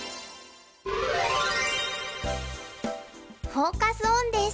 フォーカス・オンです。